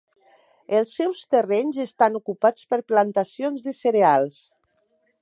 Els seus terrenys estan ocupats per plantacions de cereals.